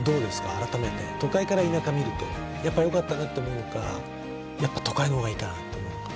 あらためて都会から田舎見るとやっぱよかったなって思うのかやっぱ都会のほうがいいかなって思うのか。